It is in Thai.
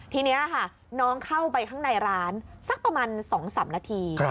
ทีนี้ค่ะน้องเข้าไปข้างในร้านสักประมาณ๒๓นาที